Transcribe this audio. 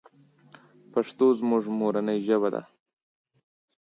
پښتو زمونږ مورنۍ ژبه ده.